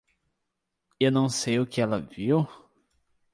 Eu não sei o que ela viu?